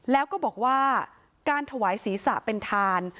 แล้วก็บอกว่าการถวายศีรษะเป็นทาน